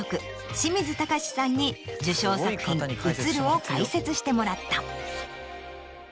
清水崇さんに受賞作品『ウツル』を解説してもらった。